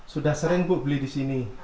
sudah sering bu beli di sini